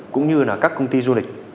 cũng như là các công ty du lịch